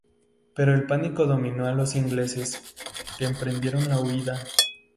Pero el pánico dominó a los ingleses, que emprendieron la huida.